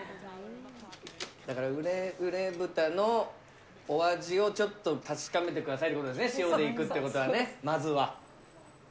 だから嬉嬉豚のお味をちょっと確かめてくださいってことですね、塩でいくっていうことはね、まずは。